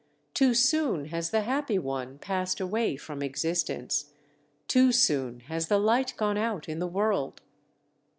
Too soon has the Happy One passed away from existence! Too soon has the Light gone out in the world!"